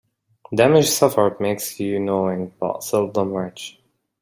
Damage suffered makes you knowing, but seldom rich.